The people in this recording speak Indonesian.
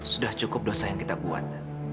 sudah cukup dosa yang kita buat